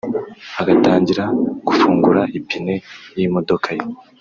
agatangira gufungura ipine y’imodoka ye